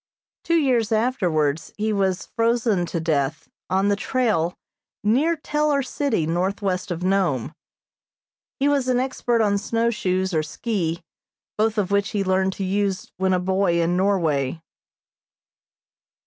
Two years afterwards he was frozen to death on the trail near Teller City, northwest of Nome. He was an expert on snowshoes or ski, both of which he learned to use when a boy in Norway.